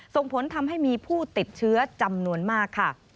ส่งผลทำให้มีผู้ติดเชื้อจำนวนมากค่ะ